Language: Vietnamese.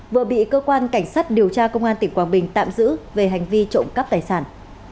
vừa bị cơ quan cảnh sát điều tra công an tỉnh quảng bình tạm giữ về hành vi trộm cắp tài sản